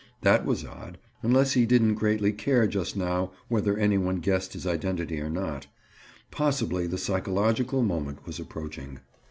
That was odd—unless he didn't greatly care just now whether any one guessed his identity or not. Possibly the psychological moment was approaching.